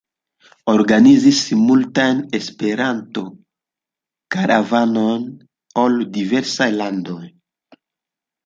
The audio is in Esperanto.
Organizis multajn Esperanto-karavanojn al diversaj landoj.